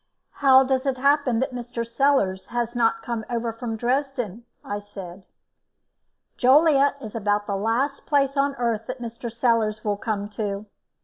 "How does it happen that Mr. Sellars has not come over from Dresden?" I said. "Joliet is about the last place on this earth that Mr. Sellars will come to.